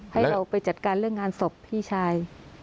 ให้เราไปจัดการเรื่องงานศพพี่ชาย